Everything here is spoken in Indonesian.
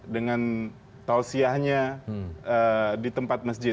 dengan tausiyahnya di tempat masjid